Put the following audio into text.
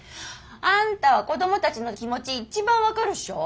あんたは子供たちの気持ち一番分かるっしょ？